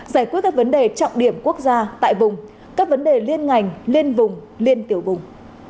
giải quyết các vấn đề trọng điểm quốc gia tại vùng các vấn đề liên ngành liên vùng liên tiểu vùng